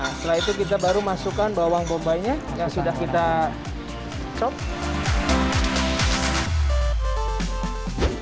nah setelah itu kita baru masukkan bawang bombay nya yang sudah kita coba